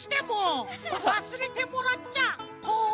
わすれてもらっちゃこまるよ！